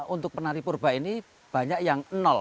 untuk penari purba ini banyak yang nol